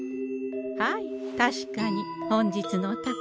はい確かに本日のお宝